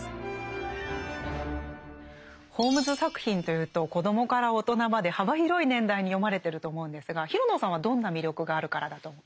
ホームズ作品というと子供から大人まで幅広い年代に読まれてると思うんですが廣野さんはどんな魅力があるからだとお考えですか？